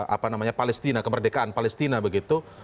apa namanya palestina kemerdekaan palestina begitu